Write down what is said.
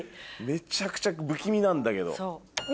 めちゃくちゃ不気味なんだけど。